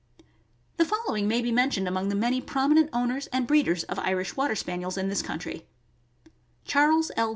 The following may be mentioned among the many promi nent owners and breeders of Irish Water Spaniels in this country: Charles L.